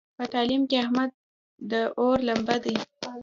په تعلیم کې احمد د اور لمبه دی.